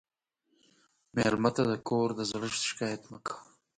مېلمه ته د کور د زړښت شکایت مه کوه.